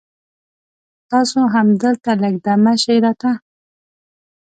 تاسو هم دلته لږ دمه شي را ته